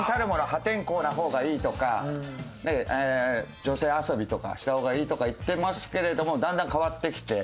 破天荒な方がいいとかね女性遊びとかした方がいいとか言ってますけれどもだんだん変わってきて。